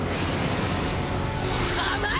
甘い！